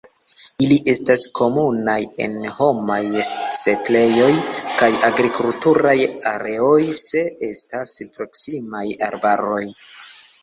Ili estas komunaj en homaj setlejoj kaj agrikulturaj areoj se estas proksimaj arbaroj.